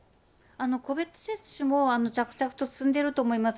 個別接種も着々と進んでいると思います。